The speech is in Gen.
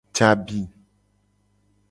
Je abi.